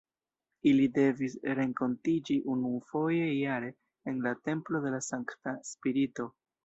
Ili devis renkontiĝi unufoje jare en la "Templo de la Sankta Spirito".